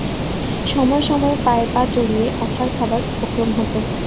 সময় সময় পায়ে পা জড়িয়ে আছাড় খাবার উপক্রম হত।